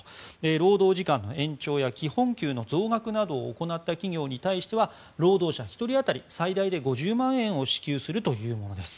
労働時間の延長や基本給の増額などを行った企業に対しては労働者１人当たり最大で５０万円を支給するというものです。